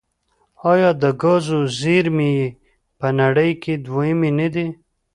آیا د ګازو زیرمې یې په نړۍ کې دویمې نه دي؟